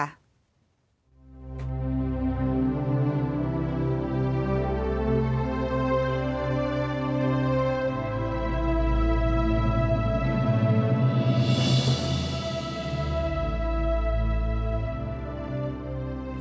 ย้อนไปมื้อปุ่น